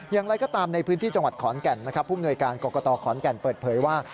อย่างไรก็ตามในพื้นที่จังหวัดขอนแก่นนะครับผู้มนวยการกรกตขอนแก่นเปิดเผยว่า